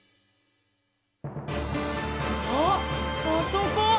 あっあそこ！